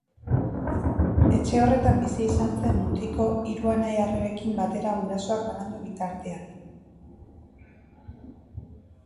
Etxe horretan bizi izan zen mutiko hiru anai arrebekin batera gurasoak banandu bitartean.